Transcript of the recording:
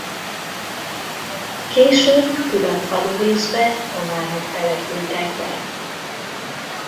Később külön falurészbe románok települtek be.